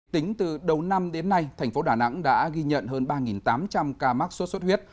tính từ đầu năm đến nay thành phố đà nẵng đã ghi nhận hơn ba tám trăm linh ca mắc sốt xuất huyết